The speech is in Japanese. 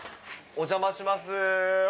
お邪魔します。